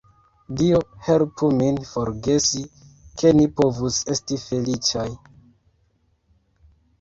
Dio helpu min forgesi, ke ni povus esti feliĉaj!